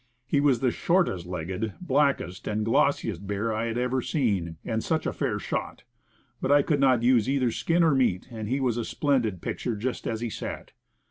He was the shortest legged, blackest, and glossiest bear I had ever seen; and such a fair shot. But I could not use either skin or meat, and he was a splendid picture just as he sat.